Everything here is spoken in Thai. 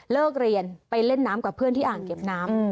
เรียนไปเล่นน้ำกับเพื่อนที่อ่างเก็บน้ำ